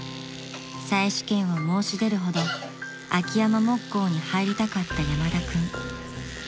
［再試験を申し出るほど秋山木工に入りたかった山田君］